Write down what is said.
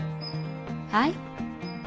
はい。